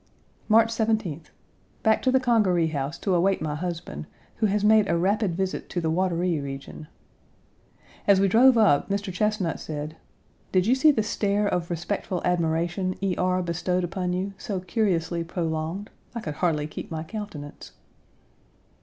March 17th. Back to the Congaree House to await my husband, who has made a rapid visit to the Wateree region. As we drove up Mr. Chesnut said: "Did you see the stare of respectful admiration E. R. bestowed upon you, so curiously prolonged? I could hardly keep my countenance."